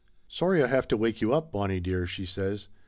"Sorry I have to wake you up, Bonnie dear," she says.